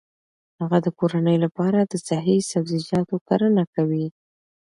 هغه د کورنۍ لپاره د صحي سبزیجاتو کرنه کوي.